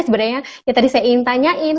sebenarnya ya tadi saya ingin tanyain